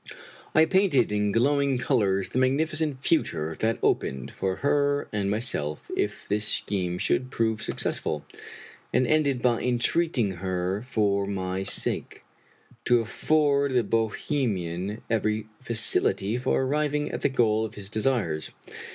I painted in glowing colors the magnificent future that opened for her and myself if this scheme should prove successful, and ended by entreating her, for my sake, to afford the Bohemian every facility for arriving at the goal of his desires.